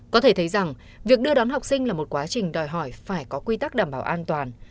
có thể thấy rằng việc đưa đón học sinh là một quá trình đòi hỏi phải có quy tắc đảm bảo an toàn